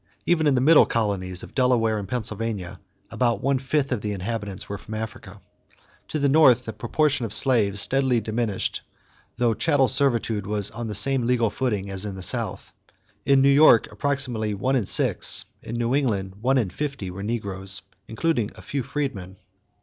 Even in the Middle colonies of Delaware and Pennsylvania about one fifth of the inhabitants were from Africa. To the North, the proportion of slaves steadily diminished although chattel servitude was on the same legal footing as in the South. In New York approximately one in six and in New England one in fifty were negroes, including a few freedmen.